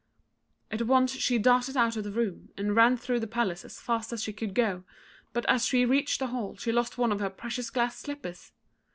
At once she darted out of the room, and ran through the palace as fast as she could go, but as she reached the hall, she lost one of her precious glass slippers!